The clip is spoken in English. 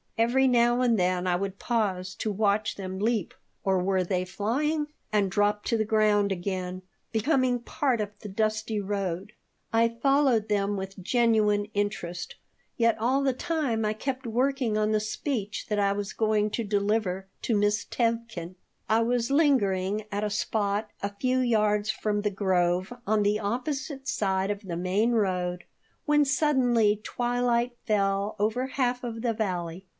Every now and then I would pause to watch them leap (or were they flying?) and drop to the ground again, becoming part of the dusty road. I followed them with genuine interest, yet all the time I kept working on the speech that I was going to deliver to Miss Tevkin I was lingering at a spot a few yards from the grove on the opposite side of the main road when suddenly twilight fell over half of the valley.